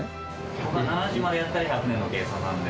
僕が７０までやったら、１００年の計算なんで。